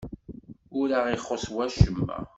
Ur aɣ-ixuṣṣ wacemma?